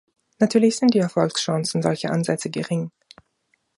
Natürlich sind die Erfolgschancen solcher Ansätze gering.